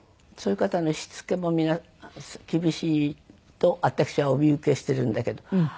そういう方のしつけも厳しいと私はお見受けしてるんだけど。